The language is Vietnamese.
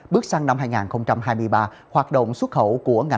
bước sang năm hai nghìn hai mươi ba hoạt động xuất khẩu của ngành